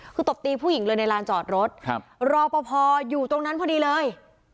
คือตบตีผู้หญิงเลยในลานจอดรถครับรอปภอยู่ตรงนั้นพอดีเลย